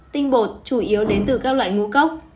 tinh bột chủ yếu đến từ các loại ngũ cốc